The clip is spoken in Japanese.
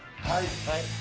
はい！